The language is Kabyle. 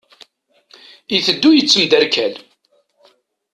Iteddu yettemderkal.